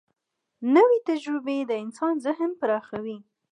نوې تجربه د انسان ذهن پراخوي